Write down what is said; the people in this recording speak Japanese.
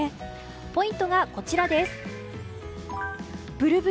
ポイントがこちらです。